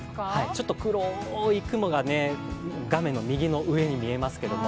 ちょっと黒い雲が画面の右上に見えますけれども。